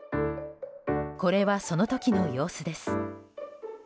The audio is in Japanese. これは、その時の様子です。